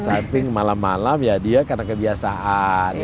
di samping malam malam ya dia karena kebiasaan